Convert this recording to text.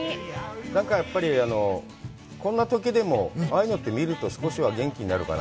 なんか、やっぱり、こんなときでもああいうのって見ると、少しは元気になるな。